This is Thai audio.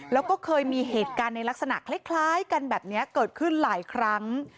แล้วก็เคยมีเหตุการณ์ในลักษณะคล้ายกันแบบนี้เกิดขึ้นหลายครั้ง